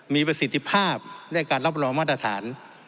มีประสิทธิภาพในการรับรองมาตรฐาน